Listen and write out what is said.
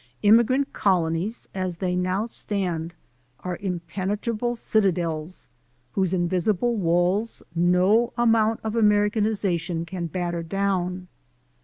Immigrant colonies as they now stand are impene trable citadels, whose invisible walls no amount of Americanization can batter down.